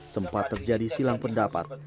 sempat terjadi silang pendapat